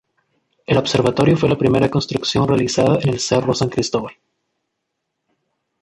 El observatorio fue la primera construcción realizada en el Cerro San Cristóbal.